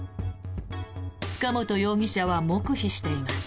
塚本容疑者は黙秘しています。